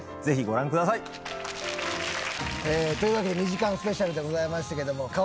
ぜひご覧ください！というわけで２時間スペシャルでございましたけれども。